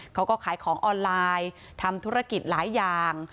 เขาก็ขายของออนไลน์ทำธุรกิจหลายอย่าง